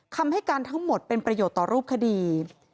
คำให้การทั้งหมดเป็นประโยชน์ต่อรูปคดี